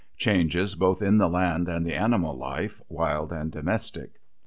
Changes both in the land and the animal life, wild and domestic.